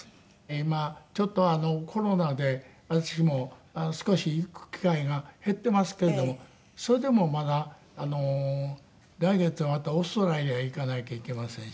今ちょっとコロナで私も少し行く機会が減っていますけれどもそれでもまだ来月はまたオーストラリアへ行かなきゃいけませんし。